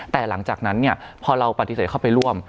แต่หลังจากนั้นพอเราปฏิเสธเข้าไปร่วม